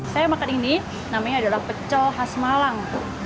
saya makan ini namanya adalah pecel khas malang